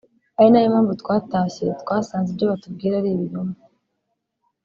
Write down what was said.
ari na yo mpamvu twatashye twasanze ibyo batubwira ari ibinyoma